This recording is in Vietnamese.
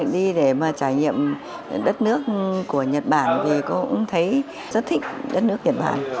đi để trải nghiệm đất nước của nhật bản vì cũng thấy rất thích đất nước nhật bản